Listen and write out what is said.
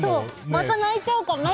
また泣いちゃうかも。